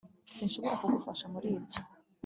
sinshobora kugufasha muri ibyo